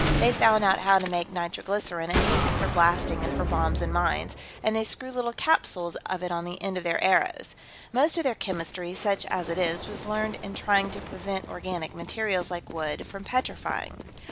They found out how to make nitroglycerine, and use it for blasting and for bombs and mines, and they screw little capsules of it on the ends of their arrows. Most of their chemistry, such as it is, was learned in trying to prevent organic materials, like wood, from petrifying.